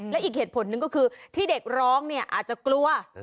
และอีกเหตุผลหนึ่งก็คือที่เด็กร้องเนี่ยอาจจะกลัว